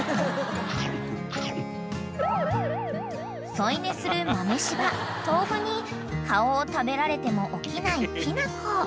［添い寝する豆柴とうふに顔を食べられても起きないきなこ］